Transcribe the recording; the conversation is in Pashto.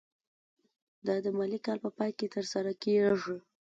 دا د مالي کال په پای کې ترسره کیږي.